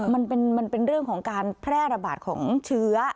มันเป็นเรื่องของการแพร่ระบาดของเชื้อ